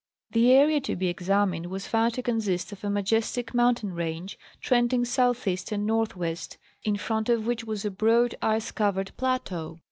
The area to be examined was found to consist of a majestic mountain range, trending southeast and northwest, in front of which was a broad, ice covered plateau.